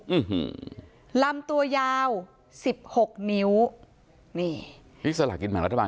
อื้อฮือลำตัวยาวสิบหกนิ้วนี่ฮิตสละกินแห่งรัฐบาล